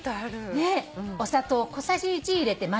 お砂糖を小さじ１入れて混ぜる